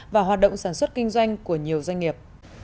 và hoạt động sản xuất kinh doanh của nhiều doanh nghiệp